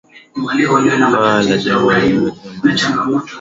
Paa la jengo la kale ambalo lilijengwa mnamo mwaka wa elfu moja themanini na nne